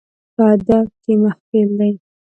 په ادب کښېنه، محفل دی.